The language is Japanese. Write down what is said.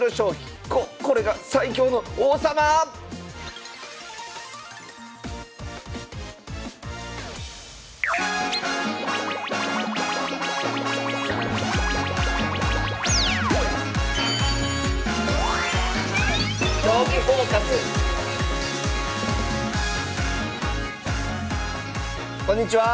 ここれが最強の王様⁉こんにちは！